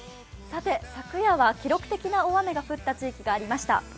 昨夜は記録的な大雨が降った地域がありました。